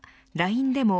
ＬＩＮＥでも